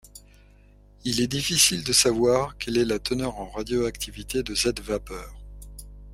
Il est difficile de savoir quelle est la teneur en radioactivité de cette vapeur.